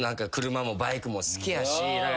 車もバイクも好きやし。